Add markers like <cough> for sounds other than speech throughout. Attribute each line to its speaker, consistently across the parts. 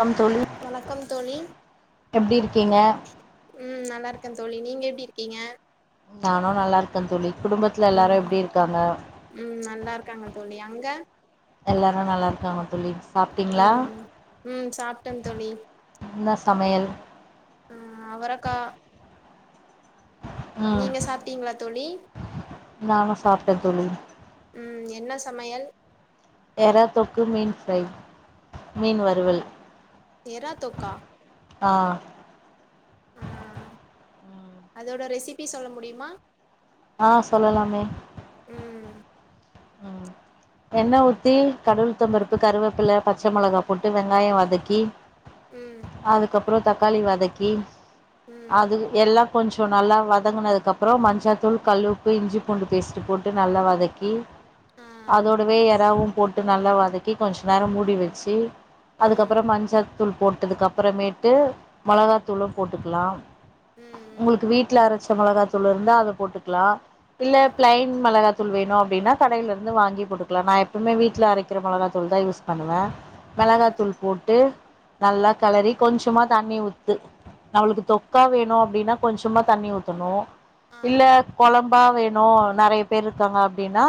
Speaker 1: come தோழி
Speaker 2: வணக்கம் தோழி
Speaker 1: எப்டி இருக்கீங்க
Speaker 2: ம் நல்லா இருக்கேன் தோழி நீங்க எப்படியிருக் கீங்க
Speaker 1: நானும் நல்லாயிருக்க தோழி குடும்பத்துல எல்லாரும்
Speaker 2: ம்
Speaker 1: எப்டியிருக்காங்க
Speaker 2: ம் நல்லா இருக்காங்க தோழி அங்க
Speaker 1: எல்லாரும் நல்லாயிருகாங்க
Speaker 2: ம் ம் ம் சாப்ட தோழி
Speaker 1: என்ன சமையல்
Speaker 2: ம் அவரக்கா
Speaker 1: ம்
Speaker 2: நீங்க சாப்பிட்டீங்களா தோழி
Speaker 1: நானு சாப்ட்டே தோழி
Speaker 2: ம் என்ன சமையல்
Speaker 1: எறா தொக்கு மீன் ஃப்ரை மீன் வறுவல்
Speaker 2: எரா தொக்கா
Speaker 1: ஆ
Speaker 2: ஆ
Speaker 1: ம்
Speaker 2: அதோட ரெசிபி சொல்ல முடியுமா
Speaker 1: ஆ சொல்லலாமே
Speaker 2: ம்
Speaker 1: ம் எண்ணெய் ஊத்தி கடுகு உளுத்தம்பருப்பு கருவேப்பில பச்சை மிளகா போட்டு வெங்காயம் வதக்கி
Speaker 2: ம்
Speaker 1: அதுக்கப் அப்புறம் தக்காளி வதக்கி
Speaker 2: ம்
Speaker 1: அது எல்லா கொஞ்சம் நல்லா வதங்குனதுக்கப்புறம் மஞ்சத்தூள் கல்உப்பு இஞ்சி பூண்டு பேஸ்ட்டு போட்டு நல்லா வதக்கி
Speaker 2: ஆ
Speaker 1: அதோடவே எராவும் போட்டு நல்லா வதக்கி கொஞ்ச நேரம் மூடி வச்சு
Speaker 2: ம்
Speaker 1: அதுக்கப்புறம் மஞ்சள் தூள் போட்டதுக்கு அப்புறமேட்டு மொளகாத்தூளும் போட்டுக்கலா
Speaker 2: ம் ம்
Speaker 1: உங்களுக்கு வீட்ல அரைச்சு மொளகாத்தூள் இருந்தா அத போட்டுக்கலா இல்ல
Speaker 2: ஆ
Speaker 1: பிளைன் மெளகா தூள் வேணும் அப்டின்னா கடையில இருந்து வாங்கி போட்டுக்கலாம் நான் எப்பவுமே வீட்டுல அரைக்கிற மொளகா தூள் தா யூஸ் பண்ணுவேன்
Speaker 2: ஆ
Speaker 1: மொளகாத்தூள் போட்டு நல்லா கெளரி கொஞ்சமா தண்ணி ஊத்து நம்மளுக்கு தொக்கா வேணும் அப்படின்னா கொஞ்சமா தண்ணி ஊத்தணும்
Speaker 2: ஆ
Speaker 1: இல்ல
Speaker 2: ஆ
Speaker 1: கொலம் ப்பா வேணும் நிறைய பேர் இருக்காங்க அப்படின்னா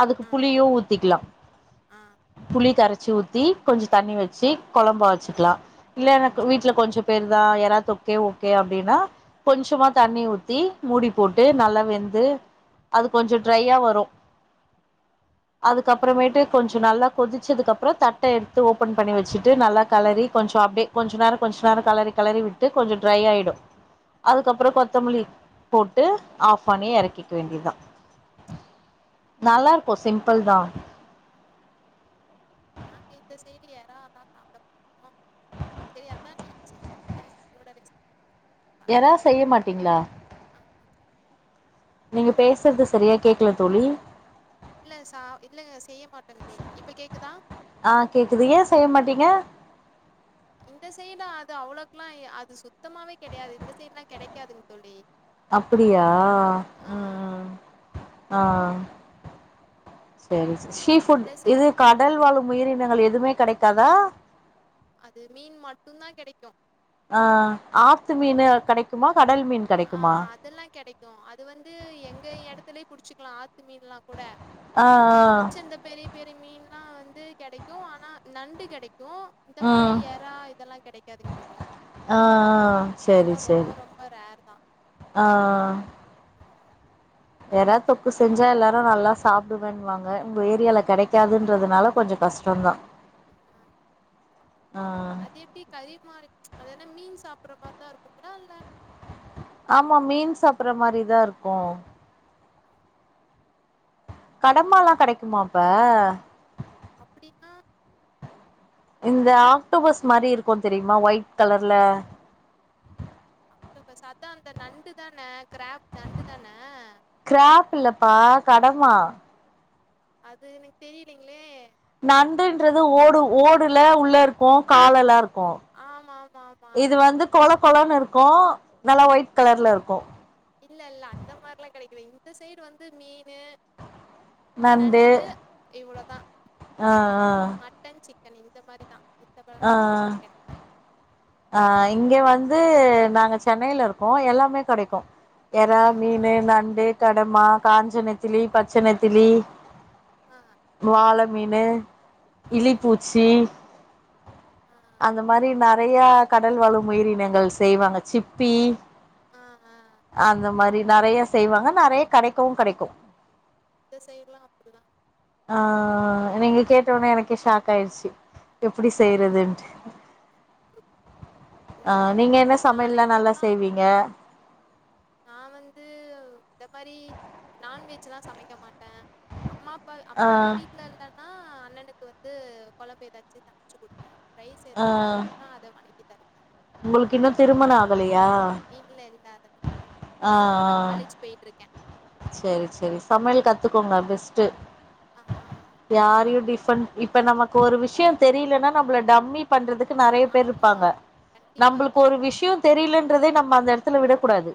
Speaker 1: அதுக்கு புளியும் ஊத்திக்கலாம்
Speaker 2: ஆ
Speaker 1: புளி கரைச் வச்சு ஊத்தி கொஞ்சம் தண்ணி வச்சு கொலம்பா வச்சுக்கலாம் இல்ல எனக்கு வீட்ல கொஞ்சம் பேரு தான் எறா தொக்கே ஓ கே அப்படின்னா கொஞ்சமா தண்ணி ஊத்தி மூடி போட்டு நல்லா வெந்து அது கொஞ்சம் ட்ரையா வரும் அதுக்கப்புறமேட்டு கொஞ்சம் நல்லா கொதிச்சதுக்கப்புறம் தட்டை எடுத்து ஓப்பன் பண்ணி வச்சுட்டு நல்லா கெளறி கொஞ்சம் அப்படியே கொஞ்சம் நேரம் கொஞ்ச நேரம் கெளறி கெளறி விட்டு கொஞ்சம் ட்ரை ஆயிடும் அதுக்கப்புறம் கொத்தமல்லி போட்டு ஆஃப் பண்ணி எறக்கிக்க வேண்டியதான் நல்லா இருக்கும் சிம்பிள் தான்
Speaker 2: நாங்க இந்த சைடு எரா லாம் சாப்பிட மாட்டேம் ஆ சரி <unintelligible> <unintelligible> நீ சோ <unintelligible>
Speaker 1: எறா செய்ய மாட்டீங்களா நீங்க பேசுறது சரியா கேக்கல தோழி
Speaker 2: இல்ல சா இல்ல செய்ய மாட்டேங்க இப்ப கேக்குதா
Speaker 1: ஆ கேக்குது ஏ செய்ய மாட்டீங்க
Speaker 2: இந்த சைடு அது அவ்ளோ லாம் அது சுத்தமாவே கெடையாது இந்த சைட் எல்லாம் கடைக்காது தோழி
Speaker 1: அப்படியா
Speaker 2: ஆ
Speaker 1: ம் ம் ஆ சரி சீ ஃபுட்
Speaker 2: இந்த
Speaker 1: இது
Speaker 2: சைட்
Speaker 1: கடல் வாழும் உயிர் இனங்கள் எதுவுமே கிடைக்காதா
Speaker 2: அது மீன் மட்டும்தான் கிடைக்கும்
Speaker 1: ஆ ஆத்து மீனு கெடைக்குமா கடல் மீன்
Speaker 2: ஆ
Speaker 1: கெடைக்குமா
Speaker 2: அதெல்லா கெடைக்கு அது வந்து எங்க எடத்துலயே புடிச்சிக்கலா ஆத்து மீன்லா கூட
Speaker 1: ஆ
Speaker 2: மிச்சந்த பெரிய பெரிய மீன் ஆ வந்து கெடைக்கு ஆனா நண்டு கெடைக் இந்த
Speaker 1: ஆ
Speaker 2: மாரி
Speaker 1: ம்
Speaker 2: எறா இதெல்லா கெடைக்காதுங் தோழி
Speaker 1: ஆ
Speaker 2: அதெல்லா ரொம்ப ரொம்ப ரேர் தா
Speaker 1: ஆஹ் எறால் தொக்கு செஞ்சா எல்லாரு நல்லா சாப்டுவேணுவாங்க உங்க ஏரியால கெடைக்காதுன்றதுனால கொஞ்ஜோ கஷ்டோதா
Speaker 2: ஆஹ் அதேப்டி <unintelligible> அது என்னா மீன் சாப்பட்ற மாரிதா இருக்கு அப்ட்லா இல்ல
Speaker 1: ஆமா மீன் சாப்பற மாரிதா இருக்கு கடம்பால்லா கெடைக்குமா அப்ப
Speaker 2: அப்டின்னா
Speaker 1: இந்த ஆக்டோபஸ் மாரி இருக்கு தெரியுமா ஒயிட் கலர்ல
Speaker 2: இப்ப சத்தோ அந்த நண்டு தானே க்ராப் நண்டு தானே
Speaker 1: கிராப் இல்லப்பா கடமா
Speaker 2: அது எனக் தெரியலைங்ளே
Speaker 1: நண்டுன்றது ஓடு ஓடுல உள்ள இருக்கு காலெல்லா இரு கொ
Speaker 2: ஆமா ஆமா ஆமா
Speaker 1: இது வந்து கொழ கலர்ல இருக்கு நல்லா ஒயிட் கலர்ல இருக்கு
Speaker 2: இல்ல இல்ல அந்த மாரிலா கெடைக்கல இந்த சைடு வந்து மீனு நண்டு இவ்ளோதா
Speaker 1: ஆ ஆ
Speaker 2: மட்டன் சிக் இந்த மாரிதா <unintelligible> எல்லா கெடைக்காது
Speaker 1: அஹ் இங்க வந்து நாங்க சென்னையில இருக்கோ எல்லாமே கெடைக்கு எறா
Speaker 2: ஆ ஆ
Speaker 1: மீனு நண்டு கடமா காஞ்ச நெத்திலி பச்ச நெத்திலி
Speaker 2: ஆ ஆ
Speaker 1: வாழ மீனு
Speaker 2: ஆ
Speaker 1: இலிப்பூச்சி
Speaker 2: ஆ
Speaker 1: அந்த மாரி நெறை நெறையா கடல் வாழும் உயிரினங்கள் செய்வாங்க சிப்பி
Speaker 2: ஆ ஆ
Speaker 1: அந்த மாரி நெறையா செய்வாங்க நெறைய கெடைக்கவு கெடைக்கு
Speaker 2: இந்த சைடெல்லா அப்புடுதா
Speaker 1: ஆஹ் நீங்க கேட்ட ஒடனே எனக்கே ஷாக் ஆயிட்ச்சி எப்டி
Speaker 2: ஆ
Speaker 1: செய்யருதுன்ட்டு
Speaker 2: இல்ல இல்ல
Speaker 1: அஹ் நீங்க
Speaker 2: இல்ல,
Speaker 1: என்ன
Speaker 2: ஒரு நாலு
Speaker 1: சமையல்லெல்லா நல்லா செய்வீங்க
Speaker 2: நா வந்து இந்த மாரி நான்வெஜ்லா சமைக்க மாட்ட அம்மா அப்பா
Speaker 1: ஆ
Speaker 2: அம்மா அப்பா வீட்டுல இல்லன்னா அண்ணனுக்கு வந்து கொழம்பு ஏதாச்சு சமச்சு குடுப்பே ரைஸ்
Speaker 1: ஆ
Speaker 2: ஏதாச்சு செய்னுனா அத வனக் <unintelligible>
Speaker 1: உங்களுக்கு இன்னு திருமண ஆகலையா
Speaker 2: இல்லை இல்லை அதெல்லாம்
Speaker 1: ஆ
Speaker 2: இப்போ தான் நான்
Speaker 1: ஆ
Speaker 2: காலேஜ் போயிட்டுருக்கேன்
Speaker 1: செரி செரி சமையல் கத் த்துக்கோங்க பெஸ்ட்
Speaker 2: ஆ
Speaker 1: யாரையு
Speaker 2: கண்டிப்பாக
Speaker 1: டிஃபன் இப்ப நமக்கு ஒரு விஷய தெரியலனா நம்மள டம்மி பண்றதுக்கு நெறைய பேர் இருப்பாங்க
Speaker 2: ஆமாம் கண்டிப்பாக
Speaker 1: நம்புளுக்கு ஒரு
Speaker 2: கண்டிப்பாக
Speaker 1: விஷய தெரிலன் றதே நம்ம அந்த எடத்து விட கூடாது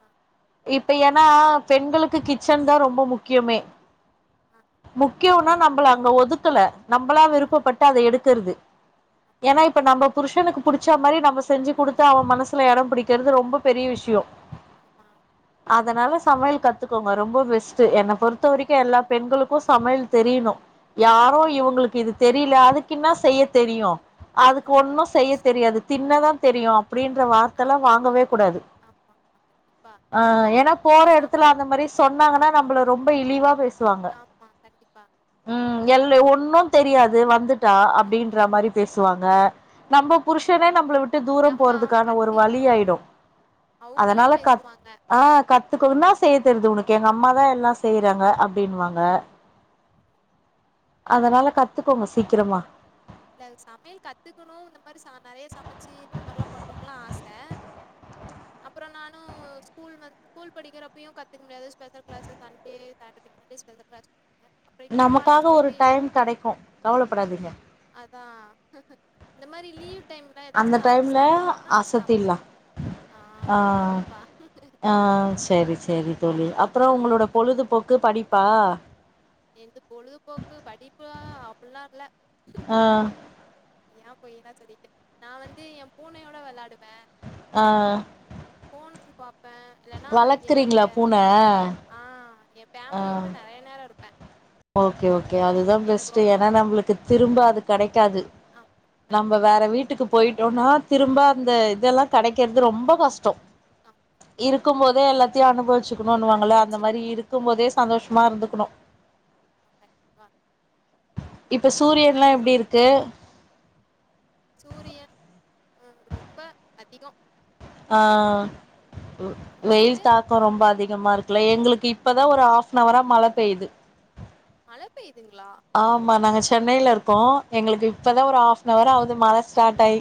Speaker 2: ஆ
Speaker 1: இப்ப ஏன்னா பெண்களுக்கு கிச்சன்தா ரொம்ப முக்கியமே முக் கியோனா நம்மள அங்க ஒதுக்கல நம்பளா
Speaker 2: ஆ ஆ
Speaker 1: விருப்பபட்டு அத எடுத் தருது ஏனா இப்ப நம்ப புருஷனுக்கு புடிச்சா மாரி நம்ம செஞ்சு குடுத்து அவ மனசுல எடம் பிடிக்கறது ரொம்ப பெரிய விஷய
Speaker 2: ஆமாம்
Speaker 1: அதனால சமையல் கத்துக்கோங்க ரொம்ப பெஸ்ட் என்ன பொறுத்த வரைக்கு எல்லா பெண்களுக்கு சமையல் தெரியணு யாரு இவுங்ளுக்கு இது தெரில அதுக்கின்னா செய்ய தெரியு அதுக்கு
Speaker 2: ம்
Speaker 1: ஒன்னு செய்ய தெரியாது தின்னதா தெரியு அப்டின்ற வார்த்தலா வாங்கவே
Speaker 2: அப்படின்றது
Speaker 1: குடாது
Speaker 2: ஆமாம் ஆமாம் கண்டிப்பாக
Speaker 1: ஆ ஏனா போற
Speaker 2: இல்லை
Speaker 1: எடத்துல
Speaker 2: சமையல்
Speaker 1: அந்த மாரி சொன்னாங்கனா நம்மள ரொம்ப இழிவா பேசுவாங்க
Speaker 2: ஆமாம் கண்டிப்பாக
Speaker 1: ம் எல் ஒன்னு தெ ட்ரியாது வந்துட்டா அப்டின்ற
Speaker 2: ம்
Speaker 1: மாரி பேசுவாங்க நம்ப புருஷனே நம்புள விட் ட்டு தூரம்
Speaker 2: நம்ம ஆம்
Speaker 1: போறதுக்கான ஒரு வழி
Speaker 2: கண்டிப்பாக ஆமாம்
Speaker 1: ஆயிடு
Speaker 2: அவங்களே
Speaker 1: அதனால கத்
Speaker 2: பேசுவாங்க
Speaker 1: ஆ கத்துக்கவுந்தா செய்ய தெர்து உனுக்கு எங்க அம்மாதா எல்லா செய்யிறாங்க அப்ட ப்டின்வாங்க அதனால கத்துக்கோங்க சீக்கிரமா
Speaker 2: இல்ல சம்யல் கத்துக்கணு இந்த மாதிரி ச நறைய சமச்சு இந்த மர்லா பண்ணும்லா ஆச அப்புற நானு ஸ்கூல் வந் ஸ்கூல் படிக்கிறப்பயு கத்துக் முடியாது special class Sunday Saturday Sunday special class <inaudible>
Speaker 1: நமுக்காக ஒரு டைம் கடக்கு கவுலபடாதீங்க
Speaker 2: கா
Speaker 1: அந்த டைம்ல
Speaker 2: சாப்பிட்ணும்னா
Speaker 1: அசத்தில்லா
Speaker 2: சாப்பிடுவேன் ஆ
Speaker 1: அ
Speaker 2: கண்டிப்பாக
Speaker 1: ஆ சரி சேரி தோழி
Speaker 2: சரி
Speaker 1: அப்றொ உங்ளோட பொழுதுபோக்கு படி பா
Speaker 2: என்து பொழுதுபோக்கு படிப்லா அப்புல்லா இல்ல
Speaker 1: ஆ
Speaker 2: யா பொய்யெல்லா சொல்லிட்டு நா வந்து எ பூனயோட வெள்ளாடு
Speaker 1: ஆ
Speaker 2: ப இல்லனா என்னோடைய ஆ எ ஃபேம்லியோட நறைய நேரொ இர்ப்ப
Speaker 1: ஓக்கே ஓக்கே அதுதா பெஸ்ட்டு ஏன்னா
Speaker 2: பிடிக்கும்
Speaker 1: நம்புளுக்கு திரும்ப அது கடைக்காது
Speaker 2: ஆமாம்
Speaker 1: நம்ப வேற
Speaker 2: கண்டிப்பாக
Speaker 1: வீட்டுக்கு போய் டோனா திரும்ப அந்த இதெல்லா கெடைக்கறது ரொம்ப கஷ்டொ
Speaker 2: ஆமாம் ஆமாம்
Speaker 1: இருக் கும்போதே எல்லாத்தயு அனுபவிச்சு ர்னுன்வாங்கள அந்த மாரி
Speaker 2: அனுபவிச்சுக்கணும்
Speaker 1: இரு ம் போதே சந்தோஷமா இருந்துக்கணு
Speaker 2: <inaudible>
Speaker 1: இப்ப
Speaker 2: நான்
Speaker 1: சூரியன்ல்லா எப்டி
Speaker 2: எங்கள்
Speaker 1: இருக்கு
Speaker 2: சூரியன் அஹ் ரொம்ப அதிகோ
Speaker 1: ஆஹ்
Speaker 2: அந்த
Speaker 1: வெயில்
Speaker 2: சைடு
Speaker 1: தாக்கம் ரொம்ப அதிகமா இருக்குல்ல எங்களுக்கு இப்பதா ஒரு ஹாஃபனவரா மழ பெய்யுது
Speaker 2: மழ பெய்
Speaker 1: ஆமா நாங்க சென்னைல இருக் கோ எங்களுக்கு இப்பதா ஒரு
Speaker 2: சச்சா
Speaker 1: ஹாஃபனவர் ஆகுது மழ சார்ட்டாய்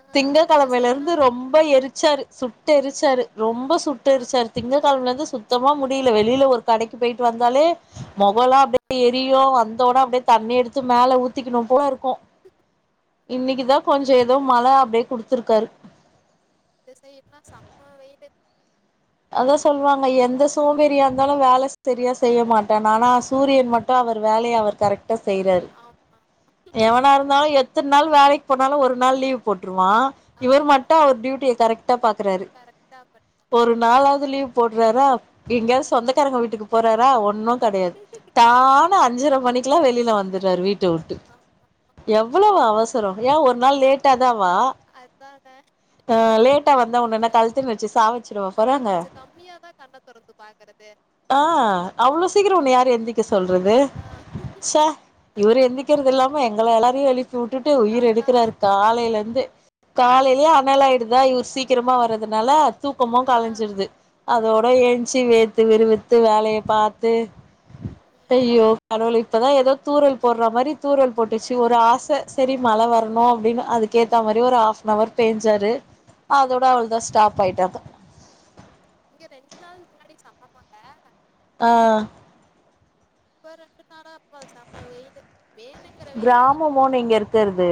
Speaker 2: ஆ
Speaker 1: திங்க
Speaker 2: இந்த
Speaker 1: கெழமய்ல இருந்து
Speaker 2: சைடுலாம்
Speaker 1: ரொம்ப எரிச்சாரு சுட் ட்டெரிச்சாரு ரொம்ப
Speaker 2: ஆ
Speaker 1: சுட்டுடெரிச்சாரு திங்க கெழம்ல இருந்து சுத்தமா முடி வெளில ஒரு கடைக்கு போய்ட்டு வந்தாலே மொகலா
Speaker 2: ஆ
Speaker 1: அப்டியே எ ரியோ வந்தோன அப்டியே தண்ணி எடுத்து மேல ஊத்திக்கணு போல இருக் கு
Speaker 2: ஆ
Speaker 1: இன்னிக்குதா கொஞ்ச ஏதோ மழ அப்டியே குடுத்துருக்காரு
Speaker 2: இந்த சைடுல்லா செம்ம வெயிலு
Speaker 1: அதா சொல்வாங்க எந்த சோம்பேரியா இருந்தாலு வேல சரியா செய்ய மாட்டே ஆனா சூரியன் மட்டு அவர் வேலய அவர் கரெக்ட் டா செய்றாரு
Speaker 2: ஆமா
Speaker 1: எவனா இருந்தாலு எ எத்தன் நாள் வேலைக்கு போனாலு ஒரு நாள் லீவ் போட்டு டுவா இவர்
Speaker 2: ஆமா
Speaker 1: மட்டும் அவர் டியூட்டிய கரெக்ட் டா பாக்குறாரு
Speaker 2: கரெக்டா பண்றாரு
Speaker 1: ஒரு நாலாவது லீவ் போற்றாரா எங்யாவது
Speaker 2: அதான்
Speaker 1: சொந்தக்காரங்க வீட்டுக்கு போற றாறா ஒன்னு கெடையாது டானு அஞ்சரை மணிக்குல்லா வெளில வந்துற்றாரு வீட் டவுட்டு
Speaker 2: ஆமா
Speaker 1: எவ்வளவு அவச <unintelligible> ஒரு நாள் லேட்டா <unintelligible>
Speaker 2: அதானே
Speaker 1: லேட்டா வந்தா
Speaker 2: கொஞ்சம்
Speaker 1: ஒன்னென்ன கழுத்த நெறிச்சு சாவடிச்சிரு
Speaker 2: அதான்
Speaker 1: தாங்க
Speaker 2: கொஞ்சம் கம்மியாதான் கண்ணை திறந்து பாக்குறது
Speaker 1: ஆ அவ்ளோ சீக்கிர உன்னைய யாரு எந்திக்க சொல்றது
Speaker 2: அதான்
Speaker 1: ச்ச இவர் எந்திக்கிறது இல்லாம எங்கள எல்லாரையும் எழுப் ப்பி உட்டுட்டு உயிர்
Speaker 2: அதான்
Speaker 1: எடுக்கிறாரு காலையில இருந்து காலையிலையே அனலாயிடுதா இவ்ரு சீக்கிரமா வர்றதுனால தூக்கமு
Speaker 2: ஆஹ்
Speaker 1: கலைஞ்சிருது அதோட
Speaker 2: ஆஹ்
Speaker 1: ஏஞ்சி வே த்து விரவித்து வேலையை பாத்து
Speaker 2: உம்
Speaker 1: ஐயோ கடவுள் இப்பதான் ஏதோ தூறல் போடுற மாறி தூறல் போட்டுச்சு ஒரு ஆச செரி மழ வரணும் அப்படின்னு அதுக்கேத்த மாறி ஒரு ஹாப்ன்வர் பெஞ்சாரு அதோட அவள்தான் ஸ்டாப் ஆயிட்டாப்ப
Speaker 2: இங்க ரெண்டு நாள் முன்னாடி செம மழை
Speaker 1: ஆ
Speaker 2: ஒரு ரெண்டு நாளா ப்போ செம்ம வெயிலு வேணுங்கிற வெயில்
Speaker 1: கிராமமோ
Speaker 2: அடிக்குது
Speaker 1: நீங்க இருக்கறது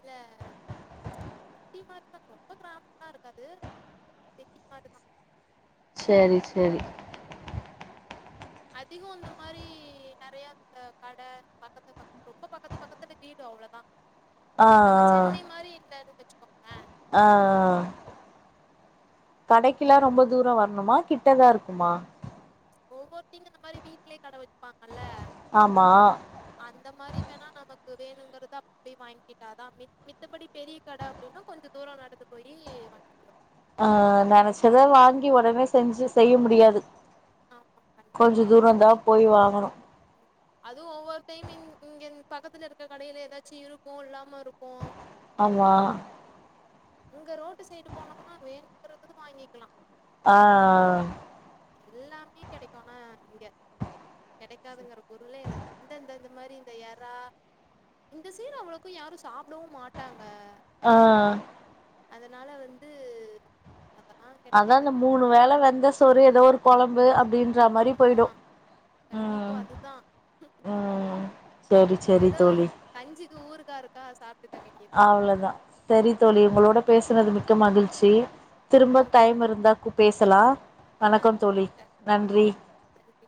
Speaker 2: இல்ல சிட்டி மாறிதான் ரொம்ப கிராமமா இருக்காது சிட்டி மாறிதான்
Speaker 1: செரி செரி
Speaker 2: அதிககோ அந்த மாறி நெறைய கட பக்கத்து பக்கத்து ரொம்ப பக்கத்து பக்கத்துல வீடு அவ்ளோதான்
Speaker 1: ஆ
Speaker 2: நம்ம சென்னை மாறி இல்ல <unintelligible> வச்சுக்கோங்க
Speaker 1: ஆ ஆ கடைக்கில்லா ரொம்ப தூரம் வரணுமா கிட்டதா இருக்குமா
Speaker 2: ஒவ்வொருத்திங்க இந்த மாறி வீட்லயே கட வச்சுப்பாங்கல்ல
Speaker 1: ஆமா
Speaker 2: அந்த மாறி வேணா நமக் வேணுங்கிறதா அப்படி வாங்கிட்டாதான் மித் மித்தபடி பெரிய கட அப்படின்னா கொஞ்சோ தூரோ நடந்து போயி வாங்கிட்டு வரணு
Speaker 1: ஆ நெனச்சத வாங்கி உடனே செஞ்சு செய்ய முடியாது
Speaker 2: ஆமா
Speaker 1: கொஞ்ச
Speaker 2: கண்டிப்பா
Speaker 1: தூரந்தா போய்
Speaker 2: செய்யவே முடியாது
Speaker 1: வாங்கணு
Speaker 2: ம் அதுவு ஒவ்வொரு டைம் இங் இங்க பக்கத்துல இருக்க கடையில ஏதாச்சும் இருக்கும் இல்லாம இருக்கும்
Speaker 1: ஆமா
Speaker 2: அங்க ரோட்டு சைடு போனோம்னா வேணுங்கறது வாங்கிக்கலா
Speaker 1: ஆ ஆ
Speaker 2: எல்லாமே கிடைக்கும்னா இங்க கிடைக்காதுங்கற பொருளே இல்ல இந்தந்த இந்த மாறி இந்த எறா இந்த சீடு அவ்ளோக்கும் யாரும் சாப்புடவும் மாட்டாங்க
Speaker 1: ஆ ஆ
Speaker 2: அதனால வந்து <unintelligible>
Speaker 1: அதான்
Speaker 2: கிடைக்கிறது
Speaker 1: இந்த
Speaker 2: இல்ல
Speaker 1: மூணு வேல வெந்த சோறு ஏதோ ஒரு குழம்பு அப்
Speaker 2: ஆமா கண்டிப்பா
Speaker 1: ம்
Speaker 2: அதுதான்
Speaker 1: ம் செரி செரி
Speaker 2: ஏதோ கஞ்சிக்கு ஊருகா இருக்கா சாப்
Speaker 1: அவ்ளோதான் செரி தோழி உங்களோட பேசுனது மிக் க்க மகிழ்ச்சி திரும்ப
Speaker 2: ஓகே
Speaker 1: டைம்
Speaker 2: சார்
Speaker 1: இருந்தா கூப் பேஸ் கலா
Speaker 2: ஆ
Speaker 1: வணக்கம்
Speaker 2: சரி
Speaker 1: தோழி
Speaker 2: சார்
Speaker 1: நன்றி
Speaker 2: நன்றி